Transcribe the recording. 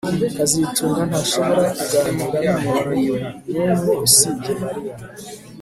kazitunga ntashobora kuganira numuntu numwe usibye Mariya